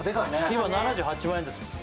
今７８万円です